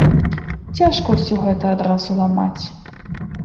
Цяжка ўсё гэта адразу ламаць.